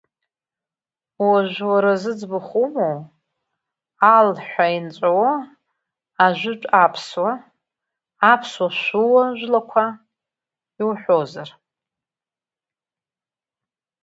Уажә уара зыӡбахә умоу, ал ҳәа инҵәауа, ажәытә аԥсуа, аԥсуа-шәуа жәлақәа, иуҳәозар…